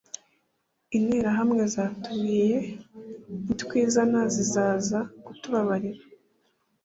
interahamwe zatubwiye nitwizana ziza kutubabarira